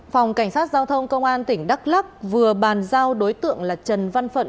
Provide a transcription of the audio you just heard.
phòng cảnh sát giao thông công an tỉnh đắk lắc vừa bàn giao đối tượng là trần văn phượn